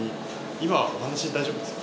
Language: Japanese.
今お話大丈夫ですか？